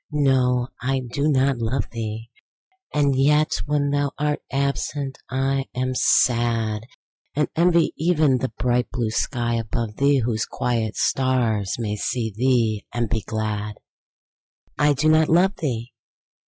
—no! I do not love thee! And yet when thou art absent I am sad; And envy even the bright blue sky above thee, Whose quiet stars may see thee and be glad. I do not love thee!